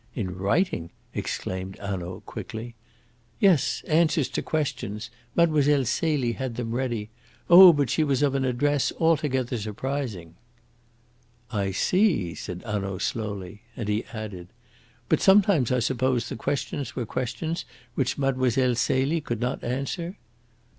"In writing?" exclaimed Hanaud quickly. "Yes; answers to questions. Mlle. Celie had them ready. Oh, but she was of an address altogether surprising. "I see," said Hanaud slowly; and he added, "But sometimes, I suppose, the questions were questions which Mlle. Celie could not answer?"